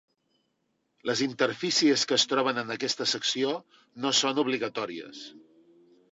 Les interfícies que es troben en aquesta secció no són obligatòries.